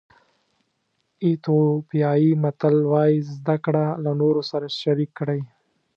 ایتیوپیایي متل وایي زده کړه له نورو سره شریک کړئ.